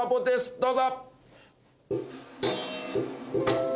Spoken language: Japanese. どうぞ！